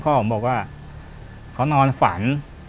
พ่อผมบอกว่าเขานอนฝัน